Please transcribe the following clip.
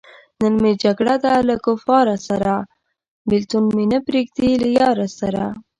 نن مې جګړه ده له کفاره سره- بېلتون مې نه پریېږدی له یاره سره